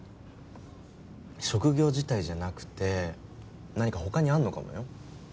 職業自体じゃなくて何かほかにあんのかもよ。